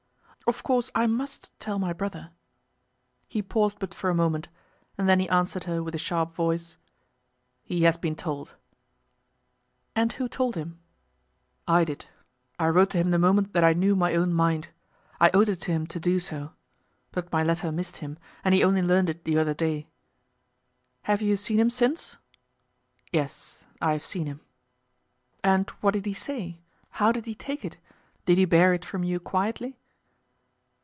"Of course I must tell my brother." He paused but for a moment, and then he answered her with a sharp voice, "He has been told." "And who told him?" "I did. I wrote to him the moment that I knew my own mind. I owed it to him to do so. But my letter missed him, and he only learned it the other day." "Have you seen him since?" "Yes; I have seen him." "And what did he say? How did he take it? Did he bear it from you quietly?"